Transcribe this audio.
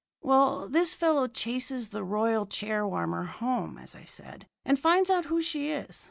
"Well, this fellow chases the royal chair warmer home, as I said, and finds out who she is.